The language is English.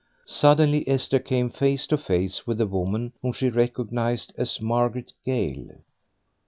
Suddenly Esther came face to face with a woman whom she recognised as Margaret Gale.